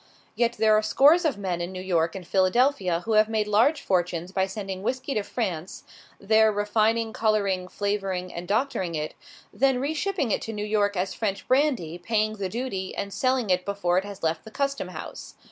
Yet there are scores of men in New York and Philadelphia who have made large fortunes by sending whisky to France, there refining, coloring, flavoring, and doctoring it, then re shipping it to New York as French brandy, paying the duty, and selling it before it has left the custom house!